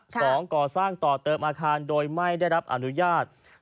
ก่อสร้างต่อเติมอาคารโดยไม่ได้รับอนุญาต